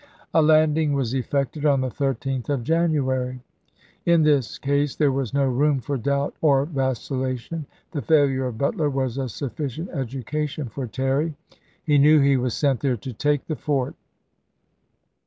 A landing was effected on the 13th of January. im. In this case there was no room for doubt or vacilla tion. The failure of Butler was a sufficient educa tion for Terry. He knew he was sent there to take the fort.